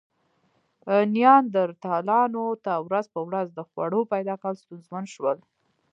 نیاندرتالانو ته ورځ په ورځ د خوړو پیدا کول ستونزمن شول.